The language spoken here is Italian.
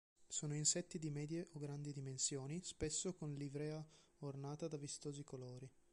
Sono insetti di medie o grandi dimensioni, spesso con livrea ornata da vistosi colori.